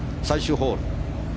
最終ホール